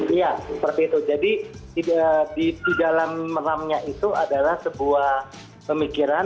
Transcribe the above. iya seperti itu jadi di dalam meramnya itu adalah sebuah pemikiran